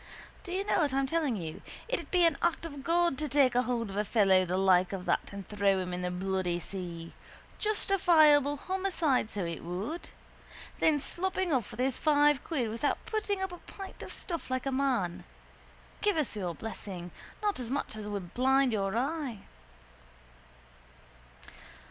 Do you know what I'm telling you? It'd be an act of God to take a hold of a fellow the like of that and throw him in the bloody sea. Justifiable homicide, so it would. Then sloping off with his five quid without putting up a pint of stuff like a man. Give us your blessing. Not as much as would blind your eye.